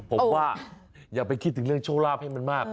ผมว่าอย่าไปคิดถึงเรื่องโชคลาภให้มันมาก